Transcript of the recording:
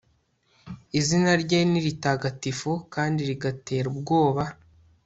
izina rye ni ritagatifu, kandi rigatera ubwoba